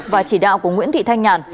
và chỉ đạo của nguyễn thị thanh nhàn